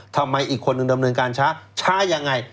ทำไมอีกคนหนึ่งดำเนินการช้าช้ายังไง